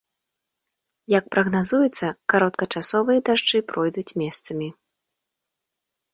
Як прагназуецца, кароткачасовыя дажджы пройдуць месцамі.